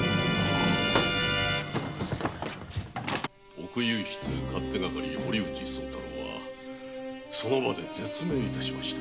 奥右筆勝手係・堀内宗太郎はその場で絶命いたしました。